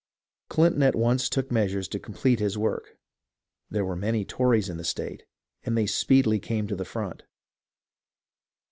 Clinton at once took measures to complete his work. There were many Tories in the state, and they speedily came to the front.